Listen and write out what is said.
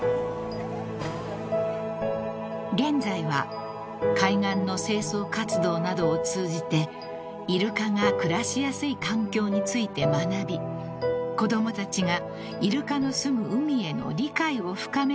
［現在は海岸の清掃活動などを通じてイルカが暮らしやすい環境について学び子供たちがイルカのすむ海への理解を深める活動もスタート］